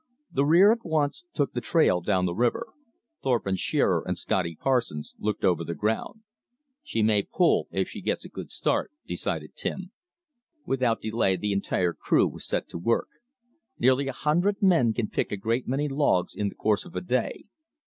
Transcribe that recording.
The rear at once took the trail down the river. Thorpe and Shearer and Scotty Parsons looked over the ground. "She may 'pull,' if she gets a good start," decided Tim. Without delay the entire crew was set to work. Nearly a hundred men can pick a great many logs in the course of a day.